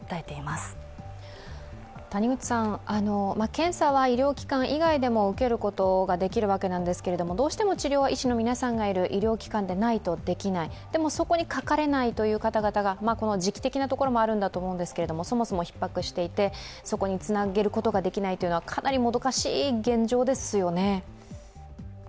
検査は医療機関以外でも受けることができるわけなんですけれどもどうしても治療は医師の皆さんがいる医療機関でないとできない、でもそこにかかれないという方々が、時期的なこともあるんだとおもももうんですが、そもそもひっ迫していて、そこにつなげることができないというのはかなりもどかしい現状ですよね。